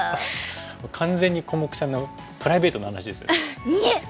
もう完全にコモクちゃんのプライベートの話ですよね。